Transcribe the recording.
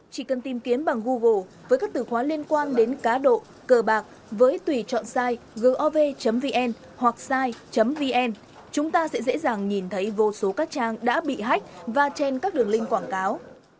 chỉ cần tìm kiếm bằng google với các từ khóa liên quan đến cá độ cờ bạc với tùy chọn sai gov vn hoặc side vn chúng ta sẽ dễ dàng nhìn thấy vô số các trang đã bị hách và trên các đường link quảng cáo